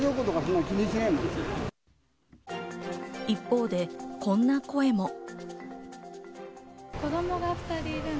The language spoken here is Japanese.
一方でこんな声も。